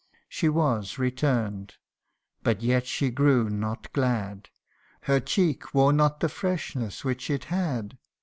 She was return 'd ; but yet she grew not glad ; Her cheek wore not the freshness which it had.